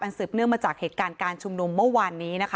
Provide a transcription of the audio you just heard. สืบเนื่องมาจากเหตุการณ์การชุมนุมเมื่อวานนี้นะคะ